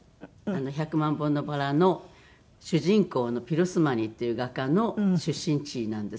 『百万本のバラ』の主人公のピロスマニっていう画家の出身地なんですね。